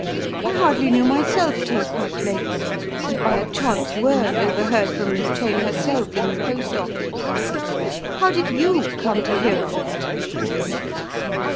I hardly knew myself till quite late and by a chance word overheard from Miss Cheyne herself in the post office. How did you come to hear of it?"